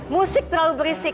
musik terlalu berisik